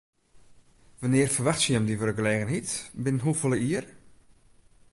Wannear ferwachtsje jim dy wurkgelegenheid, binnen hoefolle jier?